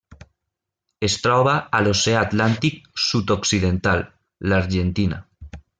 Es troba a l'Oceà Atlàntic sud-occidental: l'Argentina.